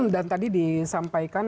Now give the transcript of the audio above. dan tadi disampaikan